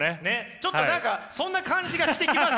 ちょっと何かそんな感じがしてきました